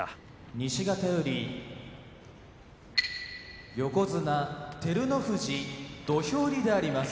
西方より横綱照ノ富士土俵入りであります。